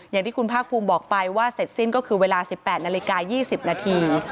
อย่างที่คุณภาคภูมิบอกไปว่าเสร็จสิ้นก็คือเวลา๑๘นาฬิกา๒๐นาที